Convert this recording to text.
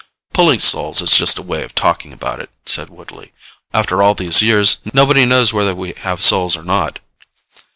"Pulling souls is just a way of talking about it," said Woodley. "After all these years, nobody knows whether we have souls or not."